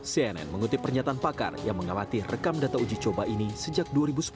cnn mengutip pernyataan pakar yang mengawati rekam data uji coba ini sejak dua ribu sepuluh